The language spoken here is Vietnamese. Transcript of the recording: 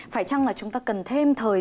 phải chăng là chúng ta cần thêm thời gian